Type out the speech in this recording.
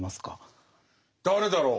誰だろう。